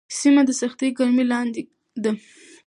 سیمه د سختې ګرمۍ لاندې ده.